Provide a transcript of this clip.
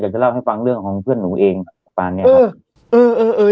อยากจะเล่าให้ฟังเรื่องของเพื่อนหนูเองป่านเนี้ยเออเออเออ